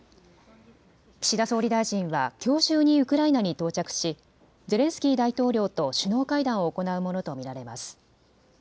岸田総理大臣はきょう中にウクライナに到着しゼレンスキー大統領と首脳会談を行うものと見られます。